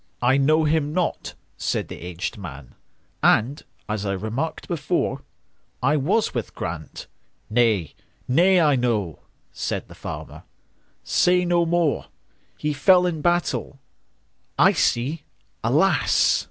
"I know him not," said the aged man,"And, as I remarked before,I was with Grant"—"Nay, nay, I know,"Said the farmer, "say no more:"He fell in battle,—I see, alas!